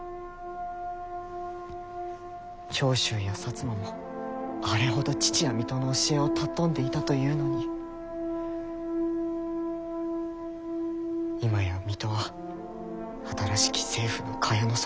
長州や摩もあれほど父や水戸の教えを尊んでいたというのに今や水戸は新しき政府の蚊帳の外。